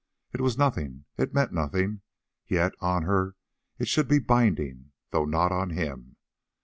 It was nothing, it meant nothing; yet on her it should be binding, though not on him.